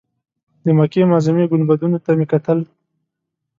د مکې معظمې ګنبدونو ته مې کتل.